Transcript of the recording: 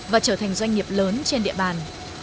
và trở thành doanh nghiệp lớn trên địa bàn